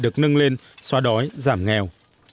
được nâng lên xóa đói giảm nghèo